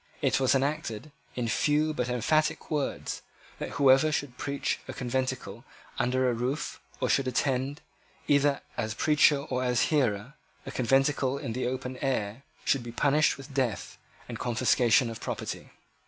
It was enacted, in few but emphatic words, that whoever should preach in a conventicle under a roof, or should attend, either as preacher or as hearer, a conventicle in the open air, should be punished with death and confiscation of property.